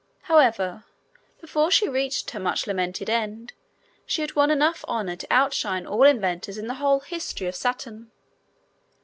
However, before she reached her much lamented end, she had won enough honor to outshine all inventors in the whole history of Saturn.